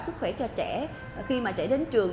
sức khỏe cho trẻ khi mà trẻ đến trường